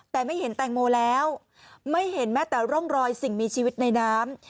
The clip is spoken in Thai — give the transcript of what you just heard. แต่ไม่เห็นแตงโมแล้วไม่เห็นแม้แต่ร่องรอยสิ่งมีชีวิตในน้ำ